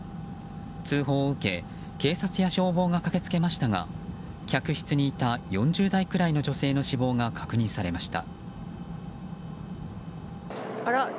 通報を受け警察や消防が駆けつけましたが客室にいた４０代くらいの女性の死亡が確認されました。